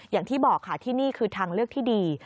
อย่างที่บอกค่ะที่นี่คือทางเลือกที่ดี